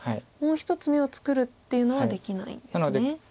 もう１つ眼を作るっていうのはできないんですね。